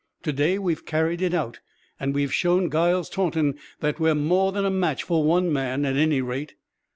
Today we have carried it out, and we have shown Giles Taunton that we are more than a match for one man, at any rate."